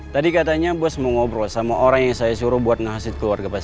tadi katanya bos mau ngobrol sama orang yang saya suruh buat nasib keluarga pak